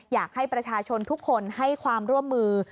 อยากให้ประชาชนทุกคนให้ความร่วมมือ